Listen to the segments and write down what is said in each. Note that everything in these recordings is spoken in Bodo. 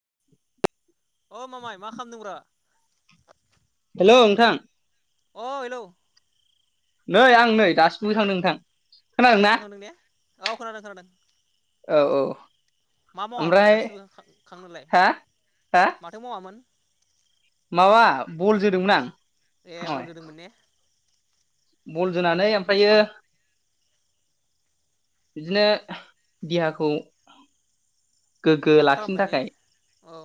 [inaudible] अ मामाय मा खामदों ब्रा? लौ नोंथां अ हेलौ नै आं नै दासो दुगै खांदों नोंथां। खोनादों दासो ना दुगै खांदों ने औ खोनादों खोनादों। औ औ। मा मावामोन ओमफ्राय दासो दुगगै खां-खांनोलाय हा हा माथो मावामोन। माबा बल जोदोंमोन आं। ए मावहाय बल जोदोंमोन ने। बल जोनानै ओमफायो बिदिनो देहाखौ गोग्गो फ्राद लाखिनो खालामबाय ने थाखाय औ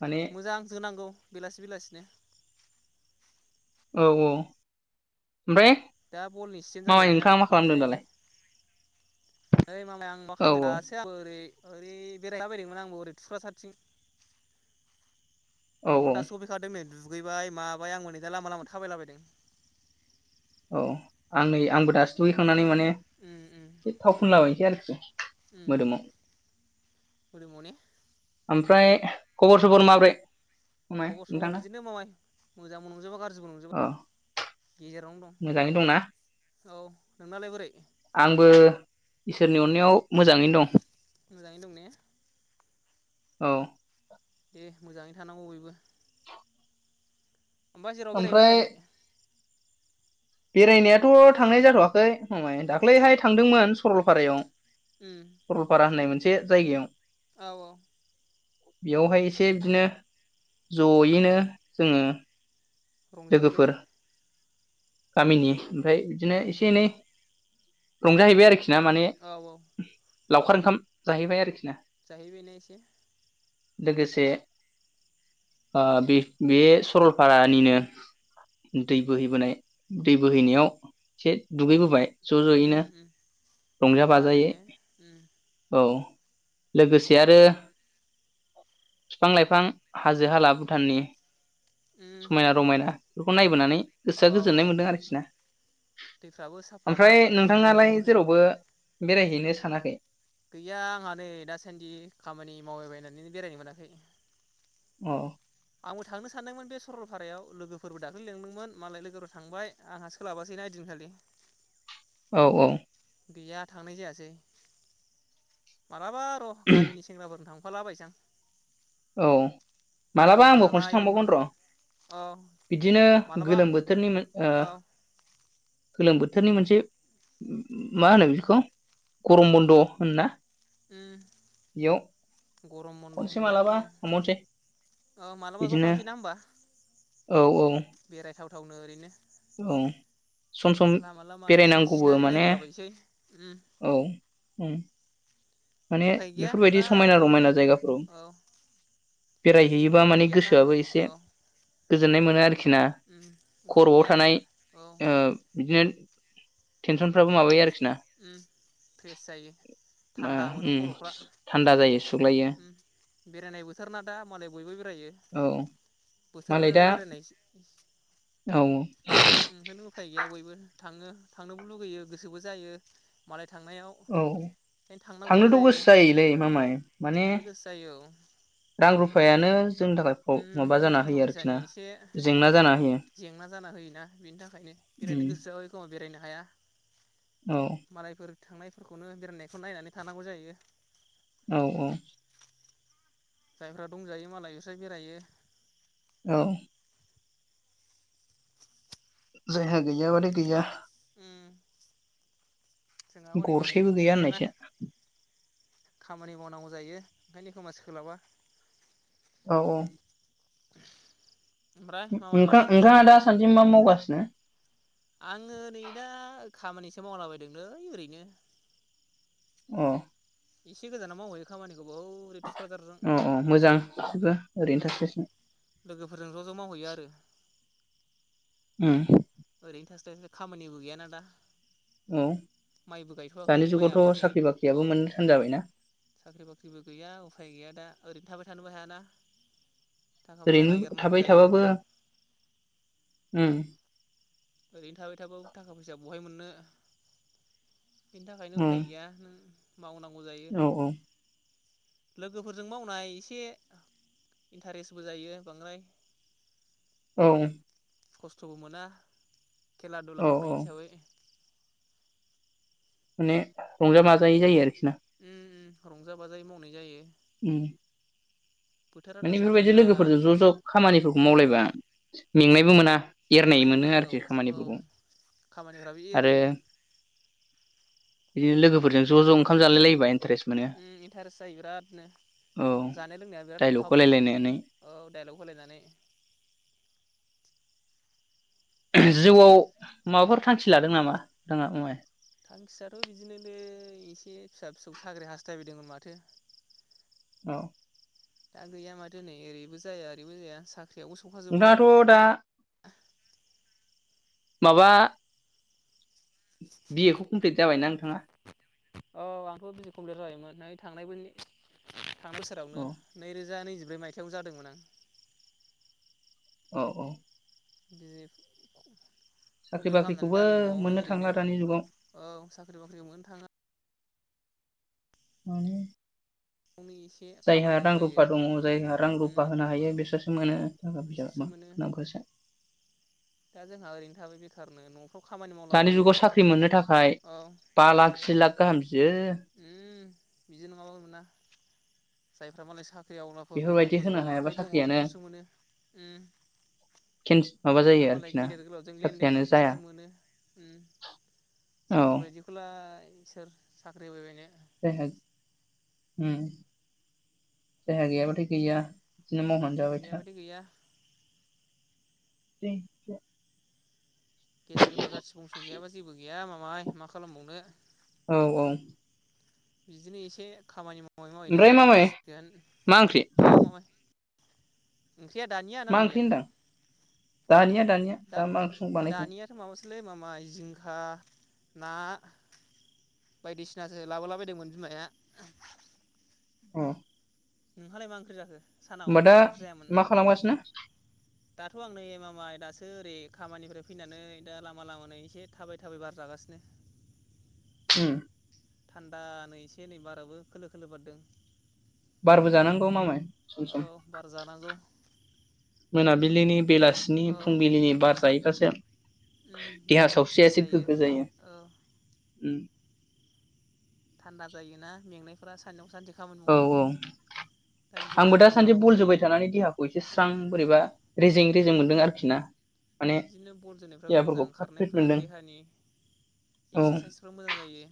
माने मोजां जोनांगौ। बेलासि बेलासिनो औ औ। ओमफ्राय दा बलनि सिजेन मामाय जालायबायना नोंथाङा मा बल खालामदों जोनायनि। दालाय नोय मामाय आं मा औ खालामदों दासो आंबो ओरै ओरै बेरायहैला बायदोंमोन आंबो ओरै थुख्रासारथिं औ औ न'आवनो दासो सौफै खादों नै। दुगैबाय माबाय आंबो नै दा लामा लामा थाबायलाबायदों। औ आं नै आंबो दासो दुगैखांनानै माने। उम उम थाव फुनलाबायनोसै आरोखि उम मोदोमाव। मोदोमाव ने ओमफ्राय खबर सबर माब्रै। मामाय खबर सबर नोंथांना बिदिनो मामाय मोजांबो नंजोबा गाज्रिबो अ नंजोबा गेजेरावनो दं। मोजाङै दंना औ नोंनालाय बोरै आंबो। इसोरनि अननायाव मोजाङैनो दं। मोजाङैनो दं ने? औ दे मोजाङैनो थानांगौ बयबो। ओमफ्राय जेरावबो बेरायहैला ओमफ्राय बायाखै? बेरायनायाथ' थांनाय जाथ'वाखै मामाय दाख्लैहाय थांदोंमोन सरलपारायाव। उम सरलपारा होननाय मोन से जायगायाव औ औ बेयावहाय एसे बिदिनो जयैनो जोंङो रंजाहैबाय ने? गामिनि ओमफ्राय बिदिनो उम एसे एनै रंजाहैबाय आरोखि बिना माने औ औ लावखार ओंखाम जाहैबाय आरोखि ना। जाहैबायने एसे? लोगोसे बे बे सरलपारानिनो दै बोहैबोनाय दै बोहैनायाव एसे दुगैबोबाय। ज' उम ज'यैनो उम रंजा थान्दानो बाजायै ने उम औ। लोगोसे आरो बिफां लाइफां हाजो हाला भुटाननि उम समायना रमायना बेखौ नायबोनानै गोसोआ औ औ गोजोननाय मोनदों आरोखि ना दैफ्राबो साफा ना ओमफ्राय गोग्गो नोंथाङालाय बोहैनाय जेरावबो बेरायहैनो सानाखै गैया आंहा नै दासान्दि खामानि मावबायबायनानै बेरायनो मोनाखै। औ आंबो थांनो सानदोंमोन बे सरलपारायाव लोगोफोरबो दाख्लै लेंदोंमोन मालाय लोगोफोर थांबाय आंहा सोलाबासै ना ओइदिनखालि। औ औ गैया थांनाय जायासै। मालाबा र' गामिनि सेंग्राफोर थां फाला बायसां औ मालाबा आंबो खनसे थांबावगोन लालायदोंमोन र औ बिदिनो मालाबा गोलोम बोथोरनि मोन ओ औ गोलोम बोथोरनि मोनसे मा होनो बेखौ गरम बन्द होनना बेयाव उम्म गरम बन्द खनसे होनबाय मालाबा औ। थांबावनोसै ओ मालाबा ज बिदिनो थांसैना होमबा? औ औ बेरायथाव थावनो ओरैनो ओं सम सम लामा लामा एसे बेरायनांगौबो सिनारि माने नायबोलाबायसै उम औ ओं। माने उफाय गैया बेफोरबायदि दा समायना बयबो रमायना जायगाफोराव औ बेरायहैयोबा उफाय माने गैयाना गोसोआबो एसे औ गोजोननाय मोनो आरो खिना उम उफाय खर'आव गैया थानाय औ ओ बिदिनो टेनसनफ्राबो माबायो आरोख उम फ्रेस जायो। मा थान्दा मोनो उम ख'रफ्रा थान्दा जायो सुग्लायो उम बेरायनाय बोथोर ना दा मालाय बयबो बेरायो औ बोथोरना दा बेरायनायसो। [inaudible] औ उफाय गैया बयबो थाङो थांनोबो लुगैयो गोसोबो जायो। मालाय थांनायाव औ ओंखायनो थांनांगौबो थांनोथ' जायो गोसो जायोलै मामाय माने थांनो गोसो जायो औ रां रुफायानो जोंनि थाखाय प्र उम माबा बे जाना थाखा होयो आरोखि फैसानि ना एसे जेंना जाना होयो जेंना जाना होयोना बेनि थाखायनो बेरायनो उम गोसोआ एखोमा बेरायना हाया औ मालायफोर थांनायफोरखौनो बेरायनायखौ नायनानै थानांगौ जायो। औ औ जायफ्रा दंजायो मालाय बिसाय बेरायो। औ जायहा गैया माने गैया। उम। जोंहा हनै बांद्रायबो गरसेबो गैया गैजायाना होननायसो। खामानि मावनांगौ जायो ओंखायनो खोमा सोलाबा। औ अ [inaudible] ओमफ्राय मामाय नोंथां माथो ओंख्रि नोंथाङा जायामोन दासान्दि मा मावगासिनो आङो नै दा खामानिसो मावलाबायदोंलै ओरैनो। अ। इसे गोजानाव माहैयो खामानि गोबाव ओरै थुक्राझारजों अ अ मोजां गासिबो ओरैनो ओम थास्लायस्लाय लोगोफोरजों ज' ज' मावहैयो आरो। उम। ओरैनो थास्लाय स्लाय खामानिबो गैयाना दा। औ माइबो गायथ'वाखै दानि माइयआो जुगावथ' नै साख्रि बाख्रियाबो औ मोननो थान जाबायना साख्रि बाख्रिबो गैया उफाय गैया दा। ओरैनो थाबाय थानोबो हायाना। थाखा फैसा ओरैनो नागिरनांगौ थाबाय जायो थाबाबो अम ओरैनो थाबाय थाबाबो थाखा फैसा बहाय मोनो। बेनि थाखायनो उम उफाय गैया मावनांगौ जायो। औ औ लोगोफोरजों मावनाय एसे इन्टारेस्टबो जायो बांद्राय औ खस्थ'बो मोना खेला दुला औ मावनाय औ हिसाबै माने रंजा बाजायै जायो आरोखि ना अम अम रंजा बाजायै मावनाय जायो। अम माने बोथोराथ' सान्दुं बेफोरबायदि बिरादनो लोगोफोरजों ज' ज' खामानिफोरखौ उम मावलायबा मेंनायबो मोना एरनाय मेंनायबो मोनो मोना औ आरोखि औ खामानिफोरखौ खामानिफ्राबो आरो एरो बिदिनो लोगोफोरजों ज' ज' ओंखाम जालायलायोबा इन्टारेस्ट मोनो अम इन्टारेस्ट जायो बिरादनो औ जानाय लोंनाया बिराद दाइलग खहाबो होलायलायनानै डाइलग होलायनानै। जिउआव माबाफोर थांखि लादों नामा नोंथाङा बुंनाय थांखियाथ' बिदिनोलै एसे फिसा-फिसौखौ साख्रि हास्थायबायदोंमोन माथो औ दा गैया माथो नै ओरैबो जाया ओरैबो जाया साख नोंथांआथ' दा माबा बिए खौ कमप्लिट जाबायना नोंथाङा औ आंथ' बिए कमप्लिट जायोमोन नै थांनायबो थांनाय बोसोरावनो औ नैरोजा नैजि जिब्रै मायथायाइाव जादोंमोन आं औ औ बिए साख्रि कमप्लेट खालामनानै बाख्रिखौबो दा नै न'आवनो मोननो ओरैनो थांला दानि जुगाव औ साख्रि बाख्रि मोननो थाङा। माने गावनो एसे जायहा खामानि रां मावलायो रुफा दंङ जायहा रां उम रुफा होनो हायो बिसोरसो मोनो। थाखा फैसा बिसोरसो मा मोनो नामखौसो दा जोंहा ओरैनो थाबाय बेखारनो न' दानि जुगाव साख्रि मोननो थाखाय औ बा लाख से लाख गाहाम बियो उम बिदि नङाबा मोना जायफ्रा मालाय सा ख्रि आवलाफोर दंङ बेफोरबायदि होनो गोजौआव हायाबा आखाइ दंङ साख्रियानो बेफोरसो मोनो अम केन्स माबा जायफ्रा जायो मालाय आरोखि ना गेदेर गोलावजों लेनदेन साख्रियानो दं जाया बिसोरसो मोनो ओम औ जोंफोरबायदिखौ लाय आ सोर साख्रि होबाय बायनो जायहा ओम जायहा गैयाबाथाय गैया बिदिनो मावनानै जायहा जाबाय था। गैयाबादि गैया [unintelligible] गेदेर गोलाव जाथि बंस' गैयाबा जेबो गैया मामाय मा खालामबावनो औ औ। बिदिनो एसे खामानि माव मावै मावैनो ओमफ्राय मामाय जालांनांसिगोन मा ओंख्रि औ मामाय। ओंख्रिया दानिया ना मा ओंख्रि दहायनिया? होनदां दानिया दानिया दा मा ओंख्रि संनो बानायखो दानियाथ' माबासोलै मामाय जिंखा ना बायदिसिनासो लाबोलाबायदोंमोन बिमाया। अ। नोंहालाय मा ओंख्रि जाखो? सानाव दा मा ओंख्रि जायामोन मा खालामगासिनो दाथ' आंनो ए मामाय दासो ओ ओरै खामानिफ्राय फैनानै दा लामा लामानि एसे थाबाय थाबाय बार जागासिनो ओम। थान्दा नै एसे नै बाराबो खोलो खोलो बारदों। बारबो जानांगौ मामाय सम औ सम। बार जानांगौ मोनाबिलिनि बेलासिनि औ फुंबिलिनि बार जायोबासो उम देहा देहाया फ्रेस सावस्रियासो गोग्गो जायो औ ओम। थान्दा जायोना मेंनाय फ्रा सानयाव सानसे खामानि औ मावनाय औ दा बिदिनो आंबो दा आराम सान्दै लानांगौ बल जायो जोबाय थानानै देहाखौ एसे स्रां उम बोरैबा रेजें रेजें उम मोनदों आरोखि ना। माने बिदिनो बल जोनायफ्राबो मोजां देहाफोरखौ फ्रात फ्रिट खारनायफ्रा मोनदों देहानि औ एक्सारसाइसफ्रा मोजां जायो।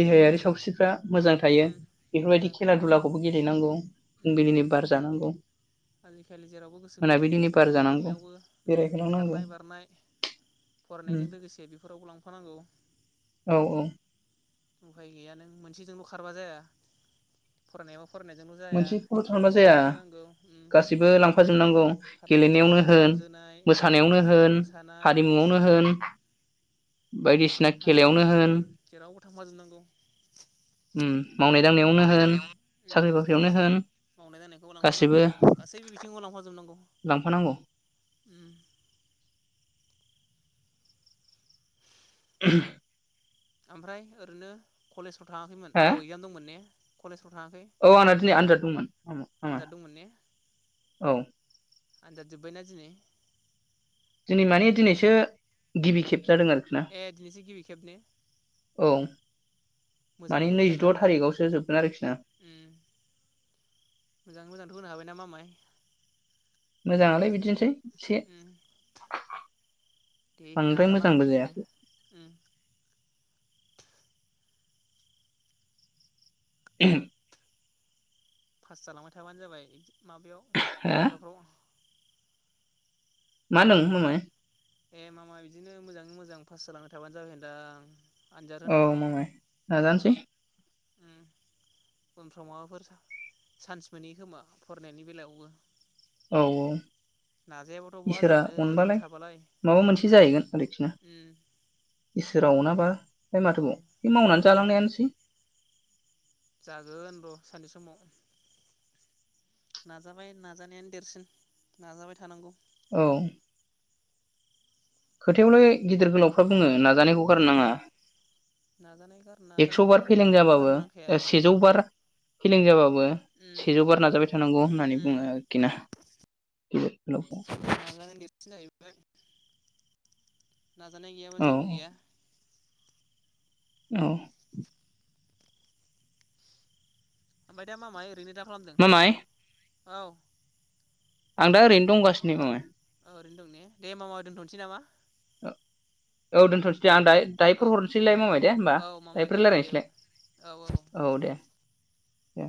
देहायारि सावस्रिफ्रा मोजां थायो उम बेफोरबायदि मोजां खेला थायो दुलाखौबो गेलेनांगौ उम फुंबिलिनि बार जानांगौ आजिखालि जेरावबो गोसो होनांगौ मोनाबिलिनि बार खेला जानांगौ गेलेनायावबो उम बेरायहोलांनांगौ खारनाय बारनाय ओम फरायनायजों लोगोसे बेफोरावबो लांफानांगौ औ औ। उफाय गैया नों मोनसेजोंल' खारबा जाया फरायनायाव फरायनायजोंल' जाया मोनसे खौल' थांबा खेलाखौबो जाया लांफानांगौ उम गासैबो लांफाजोबनांगौ खारनाय गेलेनायावनो बारनाय बल होन जोनाय उम मोसानायावनो होन मोसानाय हारिमुआवनो बायदिसिना होन बायदिसिना हारिमु खेलायावनो होन उम जेरावबो थांफा जोबनांगौ। उम मावनाय दांनायावनो होन साख्रि-बाख्रि मावनाय दांनायखौबो लांफानांगौ गासैबो बिथिंखौ लांफा ह जोबनांगौ लांफानांगौ [unintelligible] ओमफ्राय ओरैनो कलेज फ्राव थाङाखैमोन हा औ एक्जाम दंमोन ने? कलेज औ आंना दिनै आनजाद दंमोन आनजाद दंमोन ने [unintelligible] औ आनजाद जोबायना दिनै? दिनै माने दिनैसो गिबि खेब जादों आरोखि ना ए दिनैसो गिबि खेब ने औ माने मोजाङैथ' मोजां नैजिद' लिरनो हादों? थारिखआवसो जोबगोन आरोखि ना उम। मोजाङै मोजांथ' होनो हाबाय ना मामाय मोजाङालाय बिदिनोसै एसे उम दे बांद्राय नाजानांगौ मोजांबो बिदिनो जायाखै उम [unintelligible] पास जालांबाय थाबानो जाबाय माबायाव हा फरिखाफ्राव मा होन्दों मामाइ ए मामा बिदिनो मोजाङै मोजां पास जालांबाय थाबानो जाबाय होनदां आनजाद औ होनायफ्राव मामाय नाजानोसै उम उनफ्राव माबाफोर चा चान्स मोनहैयो खोमा फरायनायनि बेलायावबो औ औ नाजायाबाथ' बहा इसोरा जानो ओरैनो अनबालाय थाबालाय माबा मोनसे जाहैगोन आरोखि ना उम सोरा अनाबा ओमफाय औ माथोबाव बे मावनानै औ जालांनायानोसै जागोन र' सानसे समाव नाजाबाय नाजानायानो देरसिन नाजाबाय थानांगौ औ खोथायावलाय गिदिर गोलावफ्रा बुङो ना जानायखौ गारनो उम नाङा नाजानाय गार एक्स' नाजानायखौ बार फेलें जाबाबो गारनांखाया औ सेजौ बार फेलें जाबाबो बवा उम सेजौ बार नाजाबाय थानांगौ होननानै बुङो उम आरोखि ना गिदिर गोलावफ्रा नाजानाय देरसिन जाहैबाय नाजानाय गैयाबा औ जेबो गैया औ [unintelligible] ओरैनो दा खालामदों मामाय औ आं दा ओरैनो दंगासिनो मामाइ औ ओरैनो दं ने दे होमबा दथनोसै नामा। औ दोनथनोसै। दे आं दाहाय औ दाहायफोर हरनोसैलाय मामाय दे होमबा औ मामा दे दायोफोर औ दे औ रायज्लायनोसैलाय औ दे। दे।